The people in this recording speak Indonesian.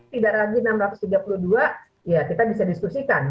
tidak lagi enam ratus tiga puluh dua ya kita bisa diskusikan